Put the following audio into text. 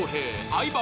相葉